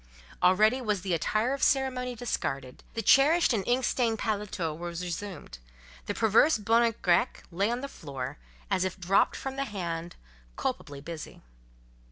Already was the attire of ceremony discarded: the cherished and ink stained paletôt was resumed; the perverse bonnet grec lay on the floor, as if just dropped from the hand, culpably busy.